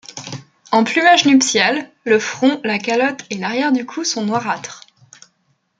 En plumage nuptial, le front, la calotte et l'arrière du cou sont noirâtres.